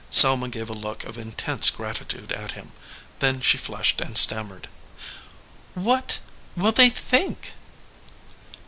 Selma gave a look of intense gratitude at him. Then she flushed and stammered. "What will they think?"